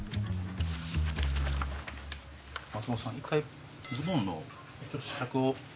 松本さん一回ズボンの試着を。